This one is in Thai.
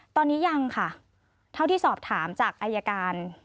ตอนนี้ยังค่ะเท่าที่สอบถามจากอายการ